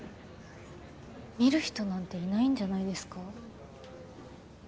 見る人なんていないんじゃないですか？